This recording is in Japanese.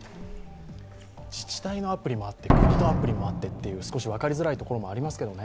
自治体のアプリもあって国のアプリもあってって少し分かりづらいところもありますからね。